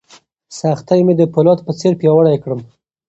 سختۍ مې د فولاد په څېر پیاوړی کړم.